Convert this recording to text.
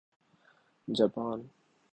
Japan